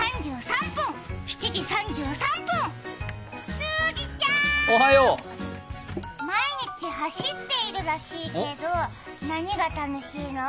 スギちゃん、毎日走っているらしいけど、何が楽しいの？